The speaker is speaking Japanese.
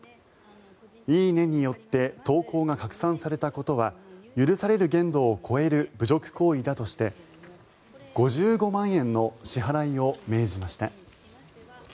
「いいね」によって投稿が拡散されたことは許される限度を超える侮辱行為だとして５５万円の支払いを命じました。